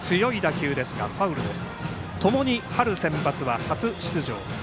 ともに春センバツは初出場。